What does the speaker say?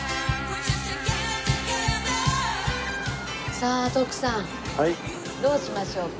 さあ徳さんどうしましょうか？